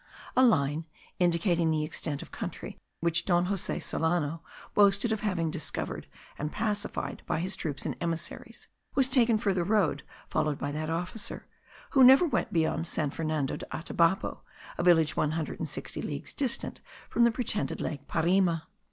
A line, indicating the extent of country which Don Jose Solano boasted of having discovered and pacified by his troops and emissaries, was taken for the road followed by that officer, who never went beyond San Fernando de Atabapo, a village one hundred and sixty leagues distant from the pretended lake Parima.